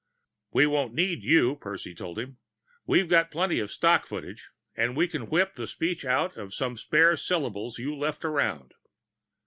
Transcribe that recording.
"We won't need you," Percy told him. "We've got plenty of stock footage, and we can whip the speech out of some spare syllables you left around."